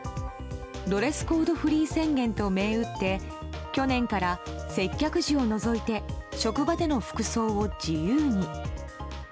ドレスコードフリー宣言と銘打って去年から接客時を除いて職場での服装を自由に。